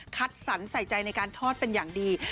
คัดสรรใส่ใจในการทอดเป็นอย่างดี